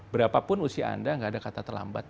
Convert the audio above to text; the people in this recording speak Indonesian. berapapun usia anda nggak ada kata terlambat